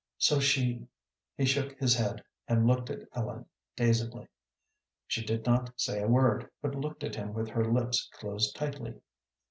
So she " He shook his head, and looked at Ellen, dazedly. She did not say a word, but looked at him with her lips closed tightly.